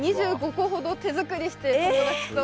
２５個ほど手作りして友達と。